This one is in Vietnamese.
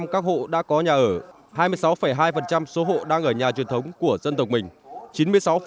chín mươi chín tám các hộ đã có nhà ở hai mươi sáu hai số hộ đang ở nhà truyền thống của dân tộc mình